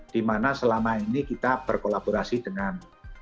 dimana selama ini kita berkolaborasi dengan